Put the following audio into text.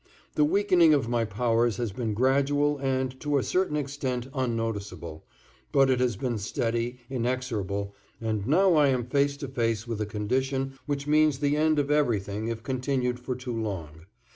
The weakening of my powers has been gradual and to a certain extent unnoticeable, but it has been steady, inexorable, and now I am face to face with a condition which means the end of everything if continued for too long.